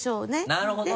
なるほど。